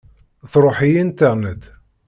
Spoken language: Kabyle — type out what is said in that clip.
Tṛuḥ-iyi Internet.